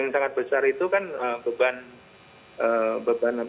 yang sangat besar itu kan beban